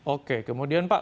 oke kemudian pak